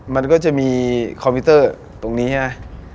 มันก็จะมีคอมพิวเตอร์ตรงนี้ใช่ไหม